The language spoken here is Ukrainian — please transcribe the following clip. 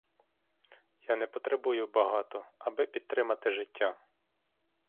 Я не потребую багато — аби підтримати життя.